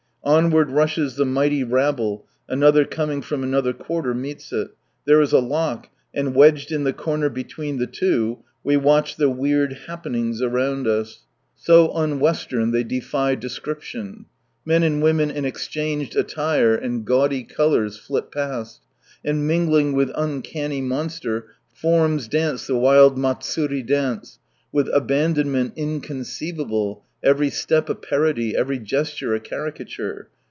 Onward rushes the mighty rabble, another coming from another quarter meets it ; there is a lock, and wedged in the comer between the two, we watch the weird happenings around us — so un Westem, they defy description. Men and women in exchanged atlire and gaudy colours flit past, and mingling with uncanny monster forms dance the wild Matsuri dance, with abandonment in conceivable, every step a parody, every gesture a caricature.